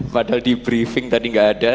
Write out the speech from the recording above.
padahal di briefing tadi nggak ada